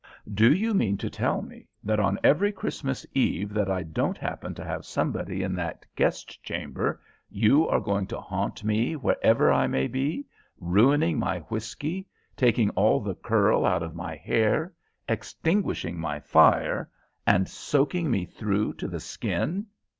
"Do you mean to tell me that on every Christmas Eve that I don't happen to have somebody in that guest chamber, you are going to haunt me wherever I may be, ruining my whiskey, taking all the curl out of my hair, extinguishing my fire, and soaking me through to the skin?"